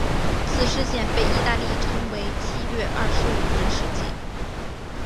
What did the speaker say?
此事件被意大利人称为七月二十五日事件。